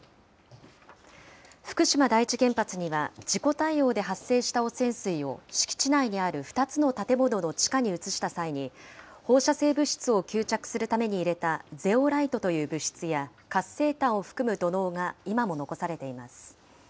福島第一原発には事故対応で発生した汚染水を敷地内にある２つの建物の地下に移した際に、放射性物質を吸着するために入れたゼオライトという物質や、活性炭を含む土のうが今も残されています。